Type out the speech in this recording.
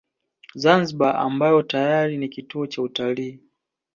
Zanzibar ambayo tayari ni kituo cha utalii